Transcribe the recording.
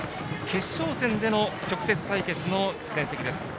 決勝戦での直接対決の成績です。